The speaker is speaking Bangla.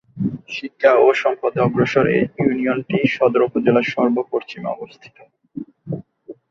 শিক্ষা ও সম্পদে অগ্রসর এই ইউনিয়নটি সদর উপজেলার সর্ব পশ্চিমে অবস্থিত।